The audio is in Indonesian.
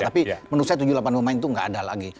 tapi menurut saya tujuh puluh delapan pemain itu nggak ada lagi